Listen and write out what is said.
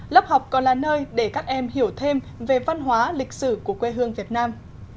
lớp học còn là nơi để các em hiểu thêm về văn hóa lịch sử của quê hương việt nam